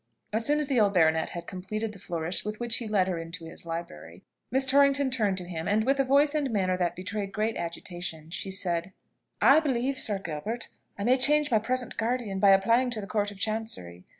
As soon as the old baronet had completed the flourish with which he led her into his library, Miss Torrington turned to him, and with a voice and manner that betrayed great agitation, she said, "I believe, Sir Gilbert, I may change my present guardian, by applying to the Court of Chancery.